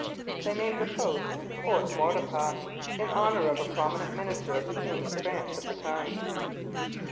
They named the post Fort Maurepas, in honour of a prominent minister of the king in France at the time.